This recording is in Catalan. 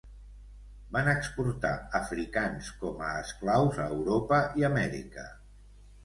Van exportar africans com a esclaus a Europa i Amèrica.